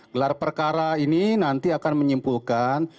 gelar perkara ini nanti akan menyimpulkan